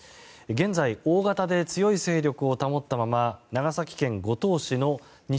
現在大型で強い勢力を保ったまま長崎県五島市の西